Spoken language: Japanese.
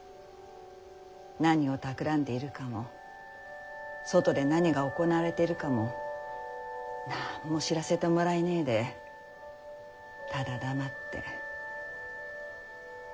何をたくらんでいるかも外で何が行われているかも何も知らせてもらえねぇでただ黙って。